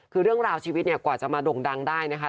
คือเรื่องราวชีวิตเนี่ยกว่าจะมาด่งดังได้นะคะ